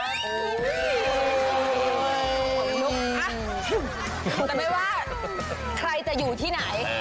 แต่ไม่ว่าใครจะอยู่ที่ไหน